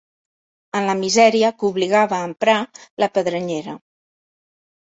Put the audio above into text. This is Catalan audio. En la misèria que obligava a emprar la pedrenyera